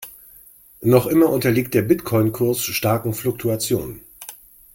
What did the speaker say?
Noch immer unterliegt der Bitcoin-Kurs starken Fluktuationen.